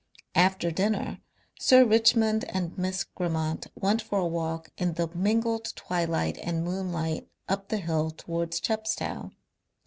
After dinner Sir Richmond and Miss Grammont went for a walk in the mingled twilight and moonlight up the hill towards Chepstow.